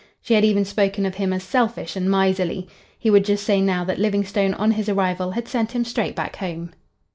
She had even spoken of him as selfish and miserly. He would just say now that Livingstone on his arrival had sent him straight back home.